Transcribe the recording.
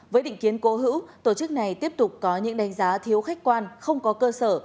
với định kiến cố hữu tổ chức này tiếp tục có những đánh giá thiếu khách quan không có cơ sở